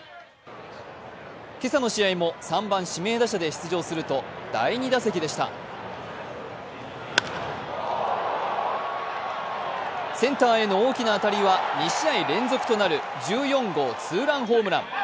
今朝の試合も３番・指名打者で出場すると第２打席でしたセンターへの大きな当たりは２試合連続となる１４号ツーランホームラン。